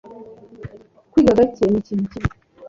Kwiga gake ni ikintu kibi.